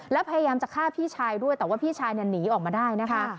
แล้วพยายามจะฆ่าพี่ชายด้วยแต่ว่าพี่ชายเนี่ยหนีออกมาได้นะคะ